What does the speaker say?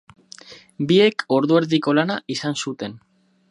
Biek orduerdiko lana izan zuten.